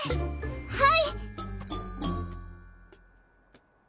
はい。